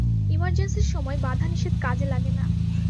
ইমার্জেন্সির সময় বাধা-নিষেধ কাজে লাগে না।